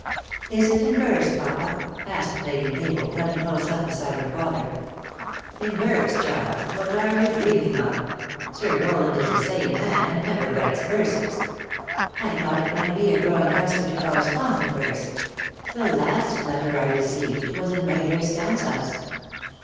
"Is it in verse, Papa?" asked Lady Mabel, coming close up beside her father. " In verse, child ? What are you dreaming of? Sir Rowland is a sane man, and never writes verses?" " I thought it might be a growing custom to corres pond in verse. The last letter I received was in regu lar stanzas."